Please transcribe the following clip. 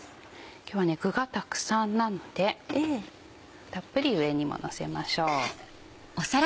今日は具がたくさんなのでたっぷり上にものせましょう。